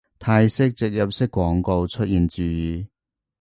泰式植入式廣告出現注意